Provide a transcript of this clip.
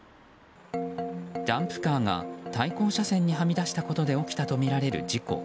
ダンプカーが対向車線にはみ出したことで起きたとみられる事故。